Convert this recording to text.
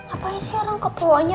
apaan sih orang kebawahannya